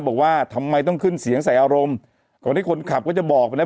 บอกว่าทำไมต้องขึ้นเสียงใส่อารมณ์ก่อนที่คนขับก็จะบอกไปแล้ว